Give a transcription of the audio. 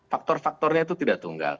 faktor faktornya itu tidak tunggal